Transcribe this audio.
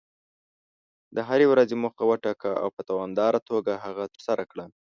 د هرې ورځې موخه وټاکه، او په دوامداره توګه هغه ترسره کړه.